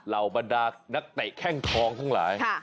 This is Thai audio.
เหล่าบรรดานักเตะแข้งทองทั้งหลาย